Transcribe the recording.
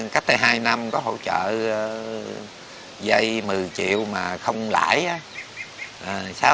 cách đây hai năm có hỗ trợ dây một mươi triệu mà không lãi á